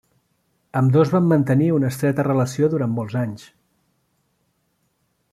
Ambdós van mantenir una estreta relació durant molts anys.